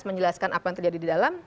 menjelaskan apa yang terjadi di dalam